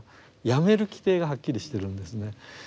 やめる規定がはっきりしてるんですね。